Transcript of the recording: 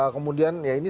kemudian ya ini